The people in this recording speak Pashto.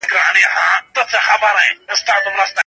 هغه هیوادونه چې پرمختیايي دي ډیرې هڅې کوي.